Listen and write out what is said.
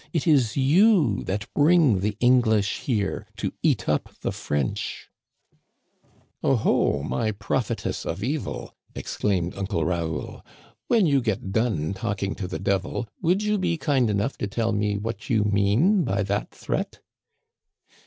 it is you that bring the English here to eat up the French !"" Oh, ho, my prophetess of evil," exclaimed Uncle Raoul, " when you get done talking to the devil, would you be kind enough to tell me what you mean by that threat?"